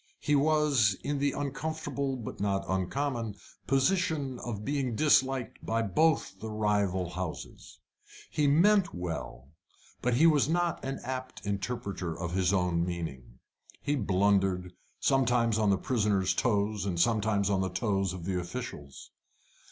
He was in the uncomfortable but not uncommon position of being disliked by both the rival houses. He meant well, but he was not an apt interpreter of his own meaning. He blundered, sometimes on the prisoners' toes, and sometimes on the toes of the officials.